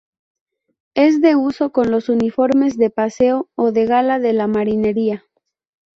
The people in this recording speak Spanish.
Es de uso con los uniformes de paseo o de gala de la marinería.